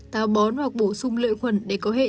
tháo bón hoặc bổ sung lợi khuẩn để có hệ